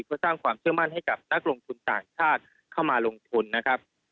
เพื่อสร้างความเชื่อมั่นให้กับนักลงทุนต่างชาติเข้ามาลงทุนนะครับ